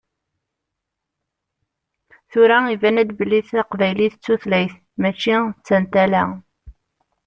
Tura iban-d belli taqbaylit d tutlayt mačči d tantala.